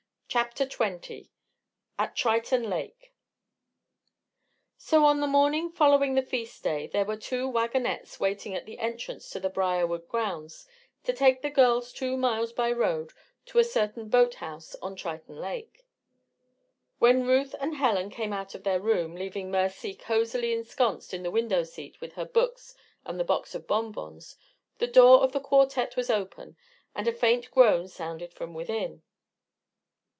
CHAPTER XX AT TRITON LAKE So on the morning following the feast day there were two wagonettes waiting at the entrance to the Briarwood grounds to take the girls two miles by road to a certain boathouse on Triton Lake. When Ruth and Helen came out of their room, leaving Mercy cozily ensconced in the window seat with her books and the box of bonbons, the door of the quartette was open and a faint groan sounded from within.